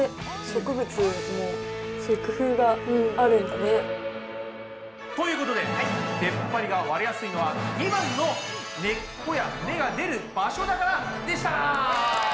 賢いね！ということででっぱりが割れやすいのは２番の「根っこや芽が出る場所だから」でした。